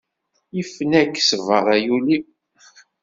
Yefna-k ssber ay ul-iw.